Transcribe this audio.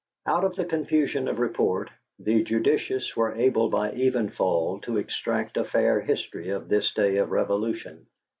Out of the confusion of report, the judicious were able by evenfall to extract a fair history of this day of revolution.